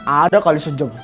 ada kali sejam